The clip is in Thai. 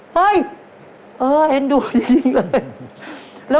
เฮ้ยเออเห็นดูยิ่งเลย